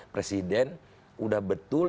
presiden udah betul